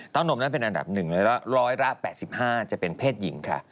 นมนั้นเป็นอันดับ๑แล้วก็ร้อยละ๘๕จะเป็นเพศหญิงค่ะ